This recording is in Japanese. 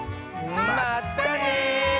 まったね！